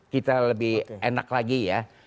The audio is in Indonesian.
kita lebih enak lagi ya